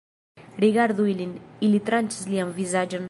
Rigardu ilin, ili tranĉas lian vizaĝon